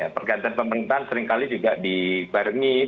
pergantian pemerintahan seringkali juga di baris